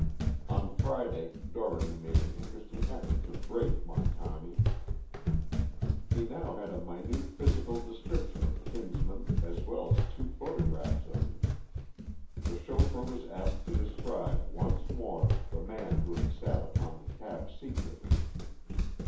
On Friday Dougherty made an interesting effort to "break" Montani. He now had a minute physical description of Kinsman, as well as two photographs of him. The chauffeur was asked to describe once more the man who had sat upon the cab seat with him.